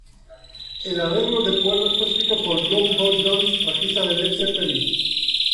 El arreglo de cuerdas fue escrito por John Paul Jones, bajista de Led Zeppelin.